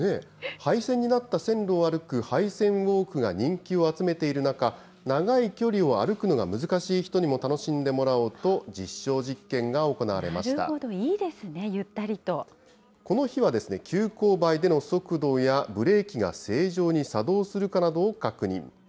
廃線になった線路を歩く、廃線ウォークが人気を集めている中、長い距離を歩くのが難しい人にも楽しんでもらおうと、なるほど、いいですね、ゆっこの日はですね、急勾配での速度や、ブレーキが正常に作動するかなどを確認。